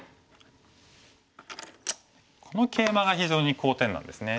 このケイマが非常に好点なんですね。